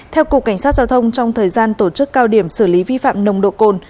theo cục cảnh sát giao thông trong thời gian tổ chức cao điểm xử lý vi phạm nồng độ cồn